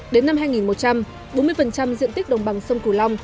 đến năm hai nghìn một trăm linh bốn mươi diện tích đồng bằng sông cửu long